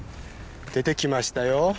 出てきましたよ。